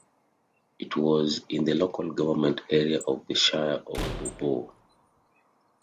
It was in the local government area of the Shire of Baw Baw.